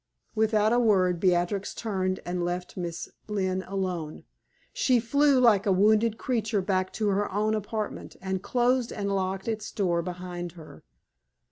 Without a word, Beatrix turned and left Miss Lynne alone. She flew like a wounded creature back to her own apartment, and closed and locked its door behind her.